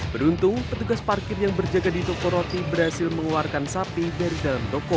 beruntung petugas parkir yang berjaga di toko roti berhasil mengeluarkan sapi dari dalam toko